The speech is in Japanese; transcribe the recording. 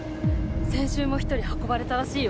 先週も１人運ばれたらしいよ。